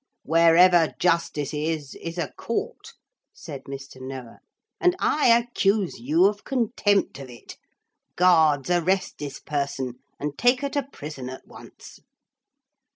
'Wherever justice is, is a court,' said Mr. Noah, 'and I accuse you of contempt of it. Guards, arrest this person and take her to prison at once.'